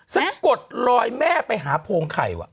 สะกดลอยแม่ไปหาโพงไข่ว่ะ